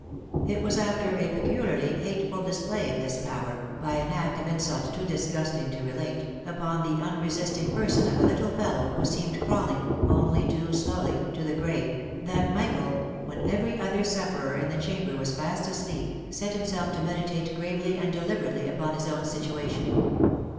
It was after a peculiarly hateful display of this power, by an act of insult too disgustiug to relate, upon the unresisting person of a little fellow who seemed crawling (only too slowly !) to the grave, that Michael, when every other sufferer in the chamber was fast asleep, set himself to meditate gravely and deliberately upon his own situation.